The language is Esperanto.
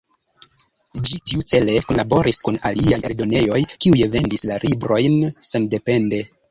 Ĝi tiucele kunlaboris kun aliaj eldonejoj kiuj vendis la librojn sendepende.